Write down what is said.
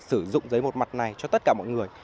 sử dụng giấy một mặt này cho tất cả mọi người